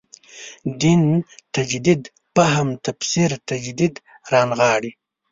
دین تجدید فهم تفسیر تجدید رانغاړي.